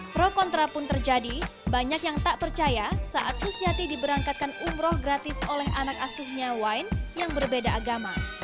pro kontra pun terjadi banyak yang tak percaya saat susiati diberangkatkan umroh gratis oleh anak asuhnya wain yang berbeda agama